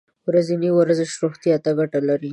ورځنی ورزش روغتیا ته ګټه لري.